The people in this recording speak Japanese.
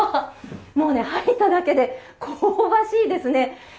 入っただけで、香ばしいですね。